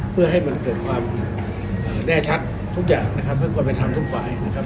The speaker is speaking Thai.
เพื่อให้มันเกิดความแน่ชัดทุกอย่างนะครับเพื่อความเป็นธรรมทุกฝ่ายนะครับ